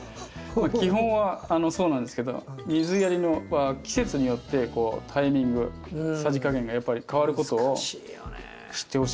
基本はそうなんですけど水やりは季節によってタイミングさじ加減がやっぱり変わることを知ってほしいんですよね。